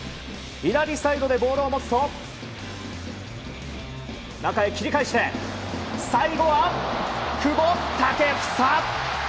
左サイドでボールを持つと中へ切り返して最後は、久保建英。